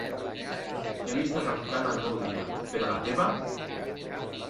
He vist arrencar en el meu dia, però la teva!